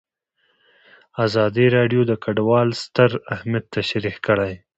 ازادي راډیو د کډوال ستر اهميت تشریح کړی.